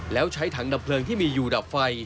แล้วใช้ถังดับเพลิงที่มีอยู่ดับไฟ